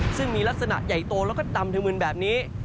ซึ่งมีลักษณะใหญ่โตแล้วก็ดำธมืนแบบนี้